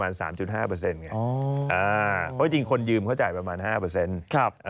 ภาษาจริงอย่างนี้คนยืมก็แบบ๕